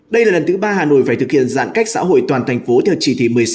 đây là lần thứ ba hà nội phải thực hiện giãn cách xã hội toàn thành phố theo chỉ thị một mươi sáu